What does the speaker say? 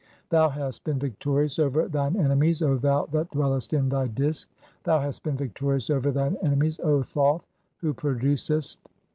Thou hast 'been victorious over thine enemies, O thou that dwellest in 'thy Disk ; thou hast been victorious over thine (9) enemies, O 'Thoth, who producest